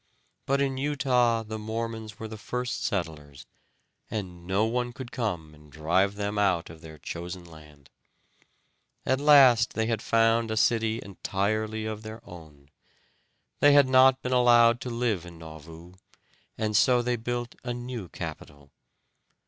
But in Utah the Mormons were the first settlers, and no one could come and drive them out of their chosen land. At last they had found a city entirely of their own. They had not been allowed to live in Nauvoo, and so they built a new capital.